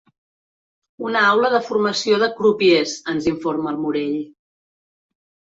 Una aula de formació de crupiers —ens informa el Morell.